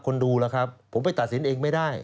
คนดูล่ะครับผมไปตัดสินเองไม่ได้